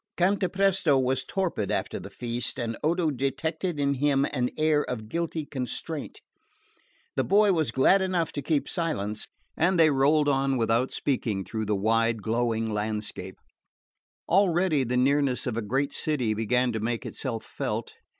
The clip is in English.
Cantapresto was torpid after the feast, and Odo detected in him an air of guilty constraint. The boy was glad enough to keep silence, and they rolled on without speaking through the wide glowing landscape. Already the nearness of a great city began to make itself felt.